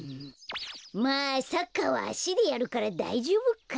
まあサッカーはあしでやるからだいじょうぶか。